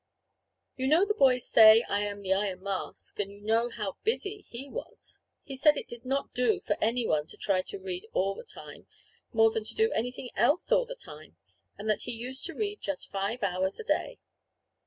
"You know the boys say I am the Iron Mask, and you know how busy he was." He said it did not do for anyone to try to read all the time, more than to do anything else all the time; and that he used to read just five hours a day.